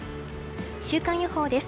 週間予報です。